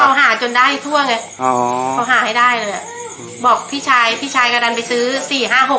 หาจนได้ทั่วไงอ๋อเขาหาให้ได้เลยอ่ะบอกพี่ชายพี่ชายก็ดันไปซื้อสี่ห้าหก